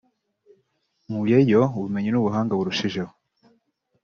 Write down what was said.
“Nkuyeyo ubumenyi n’ubuhanga burushijeho